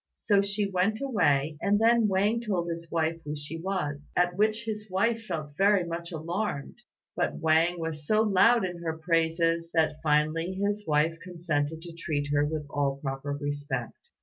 So she went away, and then Wang told his wife who she was, at which his wife felt very much alarmed; but Wang was so loud in her praises, that finally his wife consented to treat her with all proper respect.